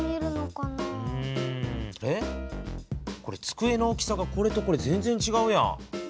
⁉つくえの大きさがこれとこれ全然ちがうやん。